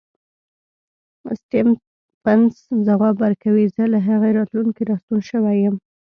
سټېفنس ځواب ورکوي زه له هغې راتلونکې راستون شوی یم.